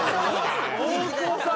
大久保さん